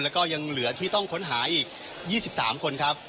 แล้วก็ยังเหลือที่ต้องค้นหาอีก๒๓คนครับ